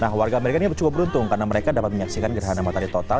nah warga amerika ini cukup beruntung karena mereka dapat menyaksikan gerhana matahari total